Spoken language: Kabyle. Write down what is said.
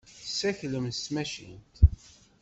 Tessaklem s tmacint.